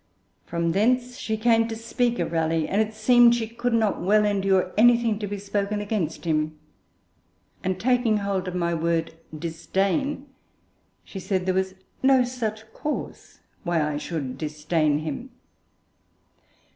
From thence she came to speak of Raleigh; and it seemed she could not well endure anything to be spoken against him; and taking hold of my word 'disdain,' she said there was 'no such cause why I should disdain him.'